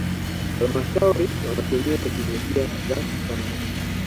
halmashauri wanatumia teknolojia za kisasa